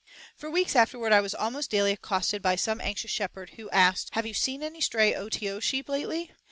For weeks afterward I was almost daily accosted by some anxious shepherd, who asked, "Have you seen any stray OTO sheep lately?"